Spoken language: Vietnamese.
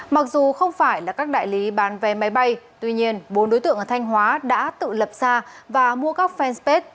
mặc dù không phải là các đại lý bán vé máy bay tuy nhiên bốn đối tượng ở thanh hóa đã tự lập ra và mua các fanpage